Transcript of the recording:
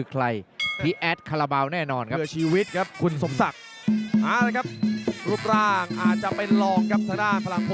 ใครคือใครที่แอดคาราบาลแน่นอนครับ